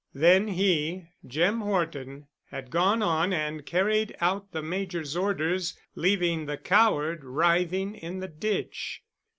Then he, Jim Horton, had gone on and carried out the Major's orders, leaving the coward writhing in the ditch.